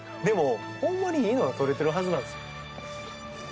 でもホンマにいいのが撮れてるはずなんですよ。